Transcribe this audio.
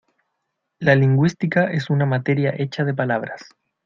La lingüística es una materia hecha de palabras.